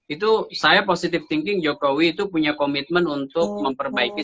itu saya positive thinking jokowi itu punya komitmen untuk memperbaiki